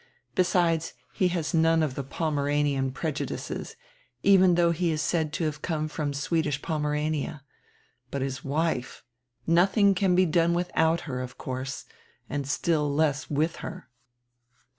Besides, he has none of die Pomeranian preju dices, even though he is said to have come from Swedish Pomerania. But his wife! Nothing can be done without her, of course, and still less with her."